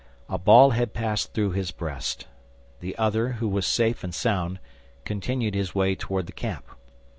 A ball had passed through his breast. The other, who was safe and sound, continued his way toward the camp.